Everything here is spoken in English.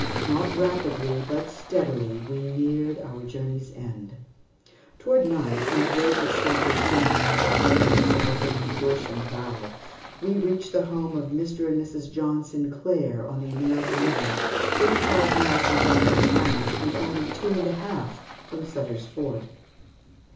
Not rapidly, but steadily, we neared our journey's end. Toward night, when the birds had stopped their singing and were hiding themselves among bush and bough, we reached the home of Mr. and Mrs. John Sinclair on the American River, thirty five miles from Johnson's Ranch and only two and a half from Sutter's Fort.